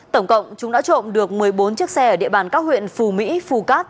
tổng cộng chúng đã trộm được một mươi bốn chiếc xe ở địa bàn các huyện phù mỹ phù cát